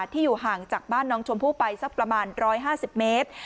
ที่อยู่ห่างจากบ้านน้องชมพู่ไปสักประมาณ๑๕๐เมตร